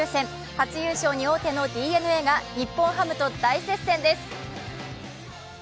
初優勝に大手のＤｅＮＡが日本ハムと大接戦です。